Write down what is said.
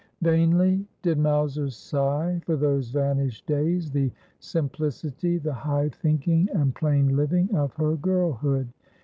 Vainly did Mowser sigh for those vanished days, the simpli city, the high thinking and plain living, of her girlhood.